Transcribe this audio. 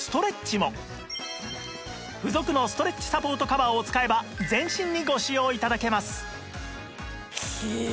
付属のストレッチサポートカバーを使えば全身にご使用頂けます